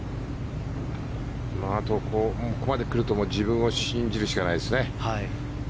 ここまで来ると自分を信じるしかないですね。